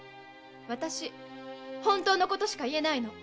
私本当のことしか言えないの！